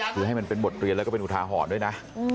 คือให้มันเป็นบทเรียนแล้วก็เป็นอุทาหรณ์ด้วยนะ